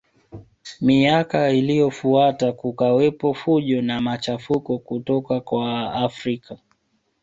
Miaka iliyofuata kukawepo fujo na machafuko kutoka kwa Waafrika